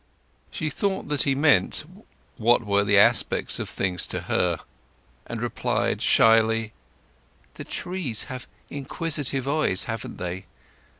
She thought that he meant what were the aspects of things to her, and replied shyly— "The trees have inquisitive eyes, haven't they?